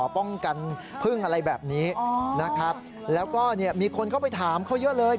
ป้องกันพึ่งอะไรแบบนี้นะครับแล้วก็เนี่ยมีคนเข้าไปถามเขาเยอะเลย